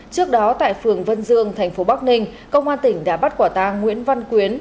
trước đó tại phường vân dương thành phố bắc ninh công an tỉnh đã bắt quả tang nguyễn văn quyến